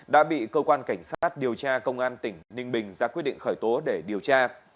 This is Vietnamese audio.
đã bị cơ quan cảnh sát điều tra công an tỉnh ninh bình ra quyết định khởi tố để điều tra